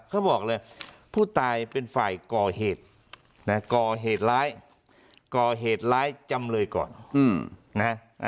เขาบอกเลยผู้ตายเป็นฝ่ายก่อเหตุนะก่อเหตุร้ายก่อเหตุร้ายจำเลยก่อนนะฮะ